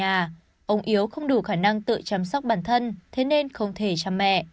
và ông yếu không đủ khả năng tự chăm sóc bản thân thế nên không thể chăm mẹ